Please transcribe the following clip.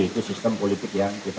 itu sistem politik yang kita